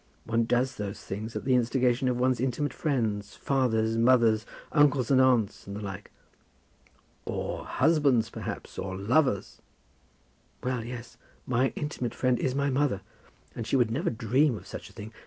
One does those things at the instigation of one's intimate friends, fathers, mothers, uncles, and aunts, and the like." "Or husbands, perhaps, or lovers?" "Well, yes; my intimate friend is my mother, and she would never dream of such a thing.